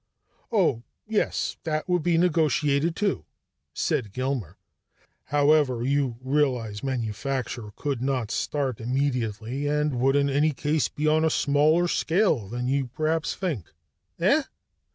"Oh, yes, that would be negotiated too," said Gilmer. "However, you realize manufacture could not start immediately, and would in any case be on a smaller scale than you perhaps think." "Eh?"